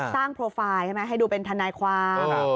โปรไฟล์ใช่ไหมให้ดูเป็นทนายความ